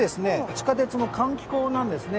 地下鉄の換気口なんですね。